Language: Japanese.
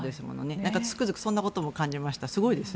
なんか、つくづくそんなことも感じました。